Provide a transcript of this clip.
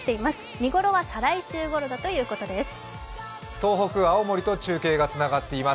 見頃は再来週ごろだということです。